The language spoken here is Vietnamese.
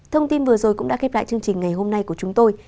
thông tin vừa rồi cũng đã khép lại chương trình ngày hôm nay của chúng tôi